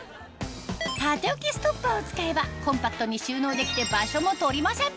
縦置きストッパーを使えばコンパクトに収納できて場所も取りません